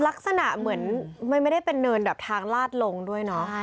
ลักษณะเหมือนมันไม่ได้เป็นเนินแบบทางลาดลงด้วยเนาะ